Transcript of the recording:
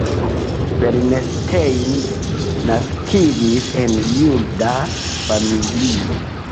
Bernstein naskiĝis en juda familio.